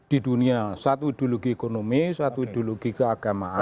di dunia satu ideologi ekonomi satu ideologi keagamaan